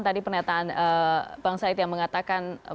tadi pernyataan bang said yang mengatakan